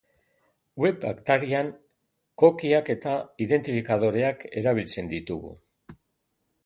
Web atarian cookieak eta identifikadoreak erabiltzen ditugu.